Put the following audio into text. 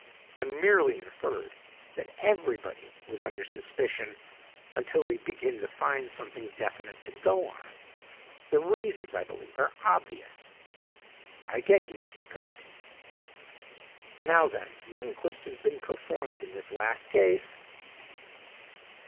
"I merely inferred that everybody was under suspicion until we begin to find something definite to go on. The reasons, I believe, are obvious." "I get you Mr. Peck." "Now then, the inquest has been performed in this last case?"